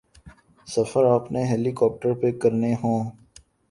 سفر آپ نے ہیلی کاپٹر پہ کرنے ہوں۔